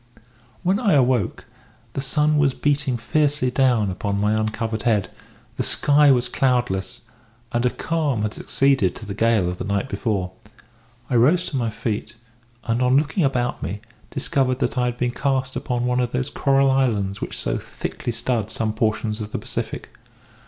"When I awoke the sun was beating fiercely down upon my uncovered head; the sky was cloudless; and a calm had succeeded to the gale of the night before. I rose to my feet, and on looking about me, discovered that I had been cast upon one of those coral islands which so thickly stud some portions of the Pacific.